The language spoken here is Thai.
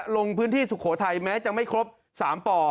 ลงพื้นที่สุโขทัยแม้จะไม่ครบ๓ป่อ